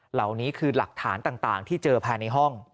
เหล่านี้คือหลักฐานต่างที่เจอภายในห้อง